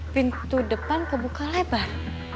pintu depan kebuka lebar